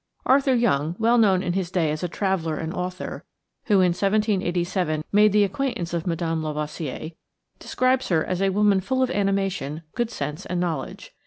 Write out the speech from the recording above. Arthur Young, well known in his day as a traveler and author, who in 1787 made the acquaintance of Madame Lavoisier, describes her as a woman full of animation, good sense and knowledge.